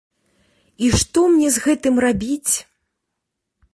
І што мне з гэтым рабіць?